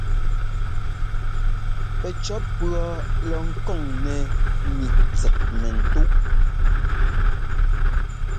Pɛcʉ̈ɔ́ pʉ̈ɔ lɔ ŋkoŋ nɛ́ ŋíʼ tsɛt mɛ́ntúʼ.